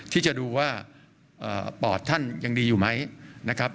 ที่จะดูว่าปอดท่านยังดีอยู่ไหมนะครับ